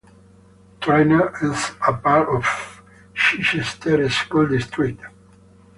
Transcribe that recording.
Trainer is a part of Chichester School District.